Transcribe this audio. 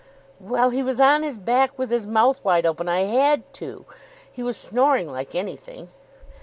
"Well, he was on his back with his mouth wide open. I had to. He was snoring like anything."